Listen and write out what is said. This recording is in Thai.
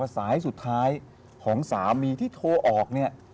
สายสุดท้ายของสามีที่โทรออกเนี่ย